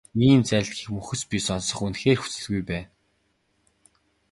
Ийм зарлигийг мөхөс би сонсох үнэхээр хүсэлгүй байна.